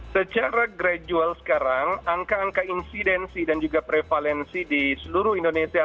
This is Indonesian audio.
secara gradual sekarang angka angka insidensi dan juga prevalensi di seluruh indonesia